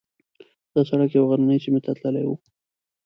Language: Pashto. دا سړک یوې غرنۍ سیمې ته تللی و.